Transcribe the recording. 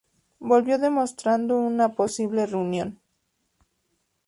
Volvió demostrando una posible reunión.